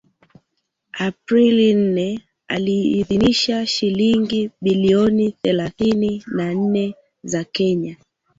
Aprili nne aliidhinisha shilingi bilioni thelathini na nne za kenya